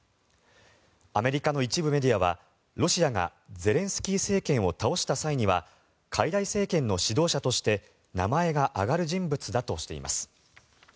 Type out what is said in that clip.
アメリカの一部メディアはロシアがゼレンスキー政権を倒した際にはかいらい政権の指導者として名前が挙がる人物だとしています。